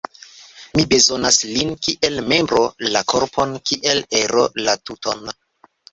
Mi bezonas lin kiel membro la korpon, kiel ero la tuton.